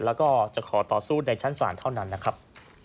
แล้วก็จะขอต่อสู้ในชั้นศาลเท่านั้นนะครับ